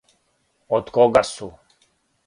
Од кога су?